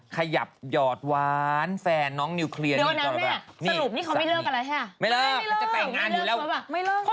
ขยับหยอดวานแฟนน้องนิวเคลียร์นี่ก็แปลก